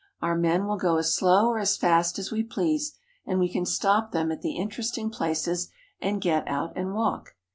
Our men will go as slow or as fast as we please, and we can stop them at the interesting places and get out and walk.